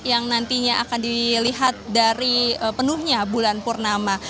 yang nantinya akan dilihat dari penuhnya bulan purnama